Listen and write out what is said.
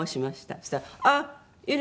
そしたら「あっいる。